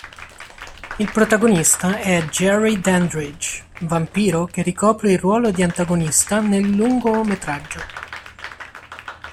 Il protagonista è Jerry Dandridge, vampiro che ricopre il ruolo di antagonista nel lungometraggio.